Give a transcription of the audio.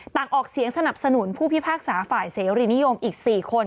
ออกเสียงสนับสนุนผู้พิพากษาฝ่ายเสรีนิยมอีก๔คน